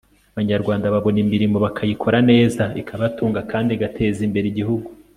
abanyarwanda babona imirimo, bakayikora neza, ikabatunga kandi igateza imbere igihugu